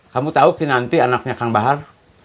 kamu tahu sih nanti anaknya kang bahar